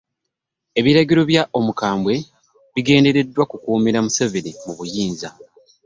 Ebiragiro bya Omukambwe bigendereddwa kukuumira Museveni mu buyinza